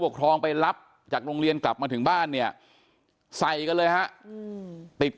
ครองไปรับจากโรงเรียนกลับมาถึงบ้านเนี่ยใส่กันเลยฮะติด